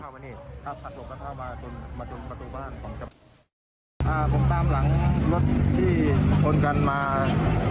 เข้ามานี่ครับหักหลบกันเข้ามาจนมาจนประตูบ้านของจับบ้าน